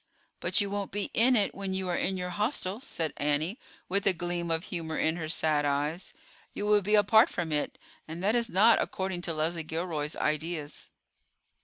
"But you won't be in it when you are in your hostel," said Annie, with a gleam of humor in her sad eyes; "you will be apart from it, and that is not according to Leslie Gilroy's ideas."